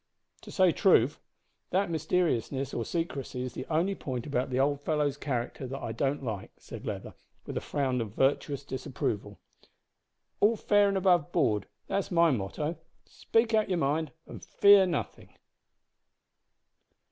To say truth, that mysteriousness or secrecy is the only point about the old fellow's character that I don't like," said Leather, with a frown of virtuous disapproval. "`All fair and above board,' that's my motto. Speak out your mind and fear nothing!"